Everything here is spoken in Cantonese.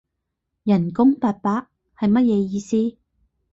人工八百？係乜嘢意思？